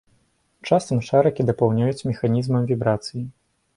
Часам шарыкі дапаўняюць механізмам вібрацыі.